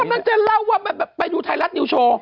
กำลังจะเล่าว่าไปดูไทยรัฐนิวโชว์